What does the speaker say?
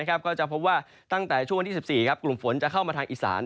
ก็จะพบว่าตั้งแต่ช่วงวันที่๑๔กลุ่มฝนจะเข้ามาทางอีสาน